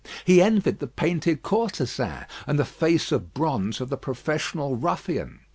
He envied the painted courtesan, and the face of bronze of the professional ruffian.